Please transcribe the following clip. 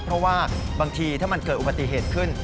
เพราะว่าบางทีถ้ามันเกิดอุบัติเหตุขึ้น